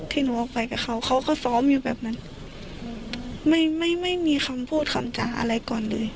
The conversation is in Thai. ที่หนูออกไปกับเขาเขาก็ซ้อมอยู่แบบนั้นไม่ไม่ไม่มีคำพูดคำจ่าอะไรก่อนเลย